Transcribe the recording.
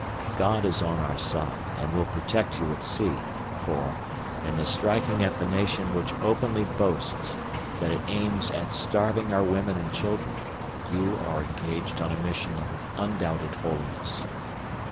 God is on our side and will protect you at sea for, in the striking at the nation which openly boasts that it aims at starving our women and children, you are engaged on a mission of undoubted holiness.